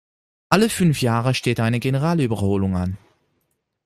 Alle fünf Jahre steht eine Generalüberholung an.